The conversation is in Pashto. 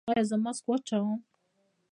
ایا زه ماسک واچوم؟